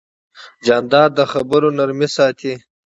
جانداد د خبرو نرمي ساتي.